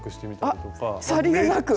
あっさりげなく。